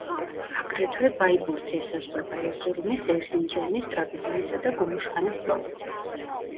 აგრეთვე, ბაიბურთი ესაზღვრება ერზურუმის, ერზინჯანის, ტრაპიზონისა და გუმუშჰანეს პროვინციებს.